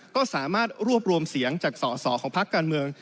ก็สามารถรวบรวมเสียงจากสอสอของพักการเมือง